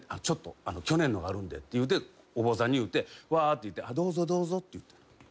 ちょっと去年のがあるんでってお坊さんに言うて行って「どうぞどうぞ」って言って。